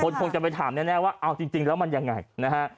คงจะไปถามแน่ว่าเอาจริงแล้วมันยังไงนะฮะ